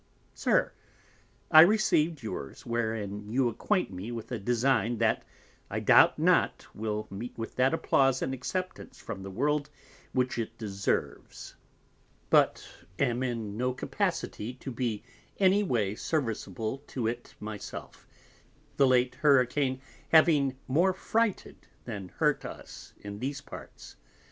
SIR, I receiv'd yours, wherein you acquaint me with a Design that (I doubt not) will meet with that Applause and Acceptance from the World which it deserves; but am in no capacity to be any way serviceable to it my self, the late Hurricane having more frighted than hurt us in these Parts.